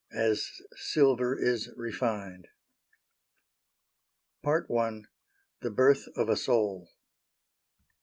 *As Silver Is Refined* *Part I. THE BIRTH OF A SOUL.